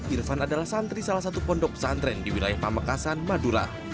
irfan adalah santri salah satu pondok pesantren di wilayah pamekasan madura